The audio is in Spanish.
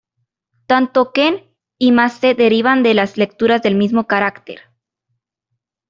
Tanto ken y ma se derivan de las lecturas del mismo carácter 間.